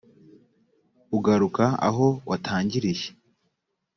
ugaruka aho watangiriye